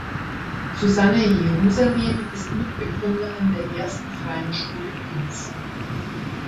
Susanne Jerusalem ist Mitbegründerin der ersten freien Schule Wiens.